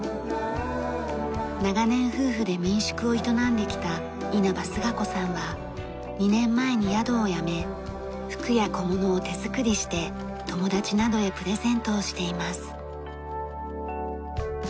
長年夫婦で民宿を営んできた稲葉スガ子さんは２年前に宿をやめ服や小物を手作りして友達などへプレゼントをしています。